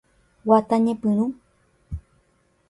Guata ñepyrũ.